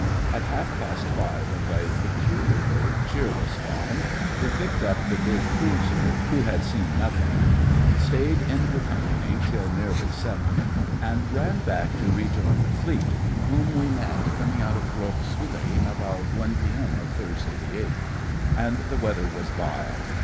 At half past five of a peculiarly cheerless dawn we picked up the big cruiser (who had seen nothing), stayed in her company till nearly seven, and ran back to rejoin the Fleet, whom we met coming out of Lough Swilly about 1 p.m. of Thursday, the 8th. And the weather was vile.